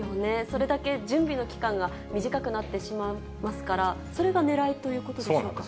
それだけ準備の期間が短くなってしまいますから、それがねらいということでしょうか。